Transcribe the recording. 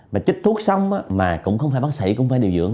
và chích thuốc xong mà cũng không phải bác sĩ cũng không phải điều dưỡng